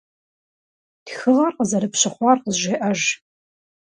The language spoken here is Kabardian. Тхыгъэр къазэрыпщыхъуар къызжеӏэж.